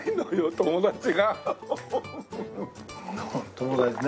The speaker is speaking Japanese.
友達ね。